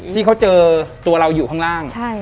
ที่เขาเจอตัวเราอยู่ข้างล่าง